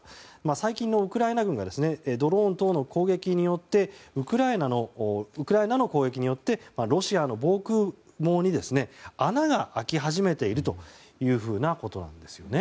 最近のウクライナ軍はドローン等の攻撃によってウクライナの攻撃によってロシアの防空網に穴が開き始めているというふうなことなんですよね。